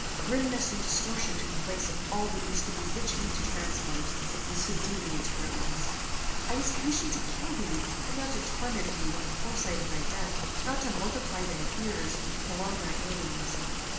Grimness and distortion took place of all that used to bewitch me into transport, and subdue me into reverence. "I was commissioned to kill thee, but not to torment thee with the foresight of thy death; not to multiply thy fears, and prolong thy agonies.